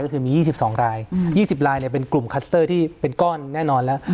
ก็คือมี๒๒ราย๒๐รายเป็นกลุ่มคัสเตอร์ที่เป็นก้อนแน่นอนแล้ว